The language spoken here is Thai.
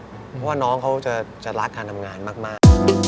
เพราะว่าน้องเขาจะรักการทำงานมาก